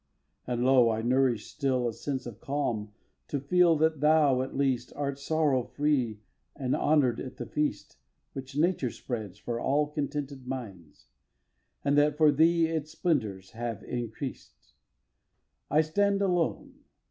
And lo! I nourish still A sense of calm to feel that thou, at least, Art sorrow free and honor'd at the feast Which Nature spreads for all contented minds; And that for thee its splendours have increased. v. I stand alone.